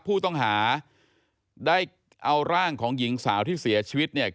ผู้ต้องหาได้เอาร่างของหญิงสาวที่เสียชีวิตเนี่ย